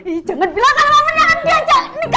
ih jangan bilang kalo mau menang kan dia